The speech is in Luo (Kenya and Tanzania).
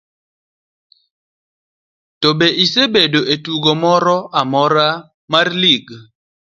to be isebedo e tugo moro amora mar lig?